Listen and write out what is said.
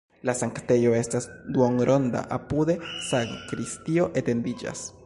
La sanktejo estas duonronda, apude sakristio etendiĝas.